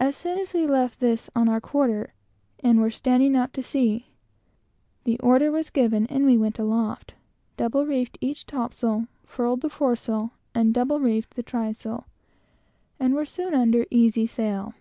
As soon as we left this on our quarter, and were standing out to sea, the order was given, and we sprang aloft, double reefed each topsail, furled the foresail, and double reefed the trysail, and were soon under easy sail.